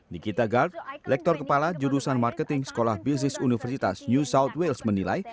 nikita gard lektor kepala jurusan marketing sekolah bisnis universitas new south wales menilai